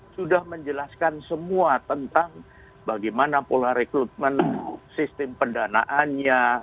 sudah menjelaskan semua tentang bagaimana pola rekrutmen sistem pendanaannya